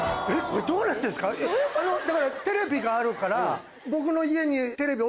だからテレビがあるから。